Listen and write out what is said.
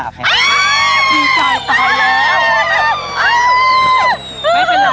ดีใจต่อแล้ว